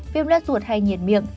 viêm nát ruột hay nhiệt miệng